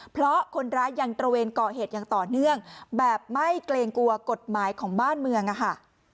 เพราะคนร้ายยังตระเวนก่อเหตุอย่างต่อเนื่องแบบไม่เกรงกลัวกฎหมายของบ้านเมืองอะค่ะ